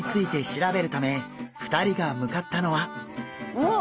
おっ！